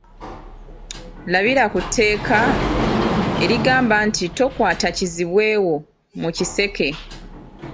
Labira ku ‘tteeka’ erigamba nti tokwata kizibwe wo mu kiseke.